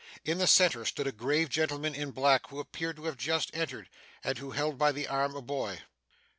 In the centre, stood a grave gentleman in black who appeared to have just entered, and who held by the arm a boy.